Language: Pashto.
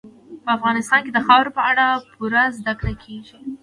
په افغانستان کې د خاورې په اړه پوره زده کړه کېږي.